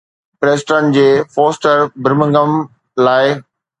Preston جي Foster Birmingham الا